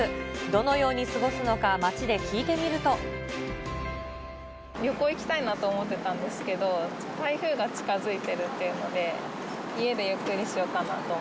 どのように過ごすのか、街で聞い旅行行きたいなと思ってたんですけど、台風が近づいてるっていうので、家でゆっくりしようかなと。